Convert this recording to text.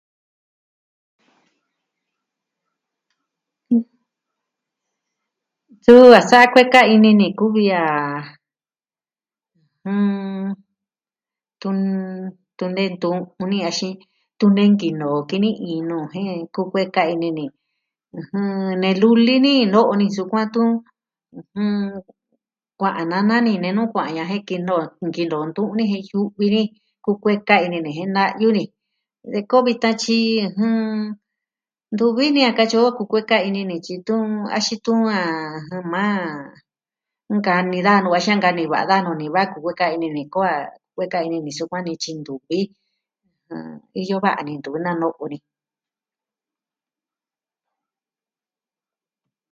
Suu a sa'a kueka ini ni kuvi a, ɨjɨn... tun nentu'un ini axin, tun nee nkinoo o kini iin nuu jen kukueka ini ni nee luli ni no'o ni sukuan tun... kua'an nana ni nenu kua'an ya'a jen kenoo nkinoo tuni ni, yu'vi ni. kukueka ini ni jen na'yu ni de koo vi tayi, jɨn... ntu vi ni a katyi o kukueka ini ni tyi tun axin tun a.. maa nkanii da nuu a xa nkanii va'a da nuu ni va kukueka ini ni koo a kueka ini nu sukuan ni tyi ntuvi. Iyo va'a ni ntu nano'o ni.